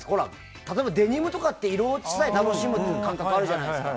例えばデニムとかって色落ちさえ楽しむ感覚があるじゃないですか。